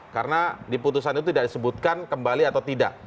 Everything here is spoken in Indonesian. karena di putusan itu tidak disebutkan kembali atau tidak